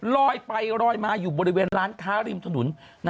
ลอยไปลอยมาอยู่บริเวณร้านค้าริมถนน